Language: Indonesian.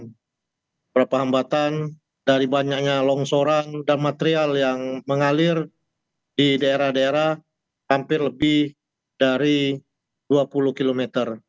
beberapa hambatan dari banyaknya longsoran dan material yang mengalir di daerah daerah hampir lebih dari dua puluh km